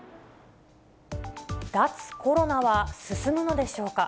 脱コロナは進むのでしょうか。